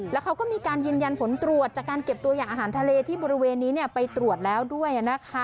แล้วเขาก็มีการยืนยันผลตรวจจากการเก็บตัวอย่างอาหารทะเลที่บริเวณนี้ไปตรวจแล้วด้วยนะคะ